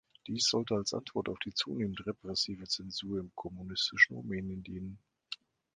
Dies sollte als Antwort auf die zunehmend repressive Zensur im kommunistischen Rumänien dienen.